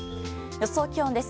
予想気温です。